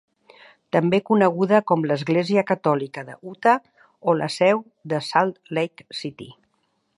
També coneguda com l'església catòlica de Utah o la Seu de Salt Lake City.